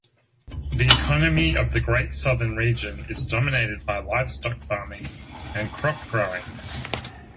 The economy of the Great Southern Region is dominated by livestock farming and crop-growing.